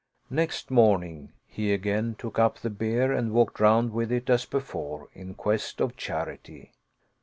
Next morn ing, he again took up the bier and walked round with it as before, in quest of charity.